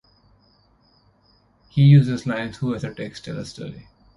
He uses lines who as a text tell a story.